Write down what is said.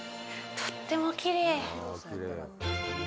とってもきれい。